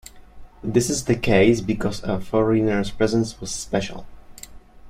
This is the case because a foreigners presence was special.